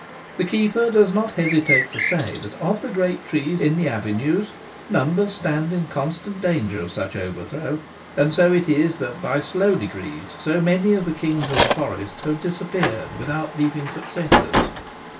The keeper does not hesitate to say that of the great trees in the avenues numbers stand in constant danger of such overthrow ; and so it is that by slow degrees so many of the kings of the forest have disappeared without leaving successors.